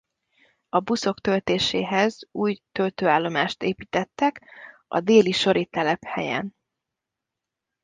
A buszok töltéséhez új töltőállomást építettek a Déli sori telephelyen.